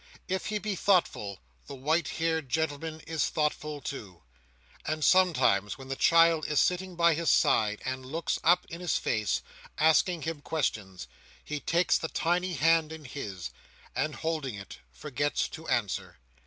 If he be thoughtful, the white haired gentleman is thoughtful too; and sometimes when the child is sitting by his side, and looks up in his face, asking him questions, he takes the tiny hand in his, and holding it, forgets to answer.